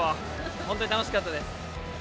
本当に楽しかったです。